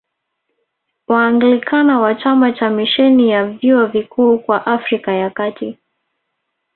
Waanglikana wa chama cha Misheni ya Vyuo Vikuu kwa Afrika ya Kati